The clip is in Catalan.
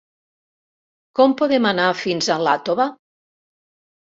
Com podem anar fins a Iàtova?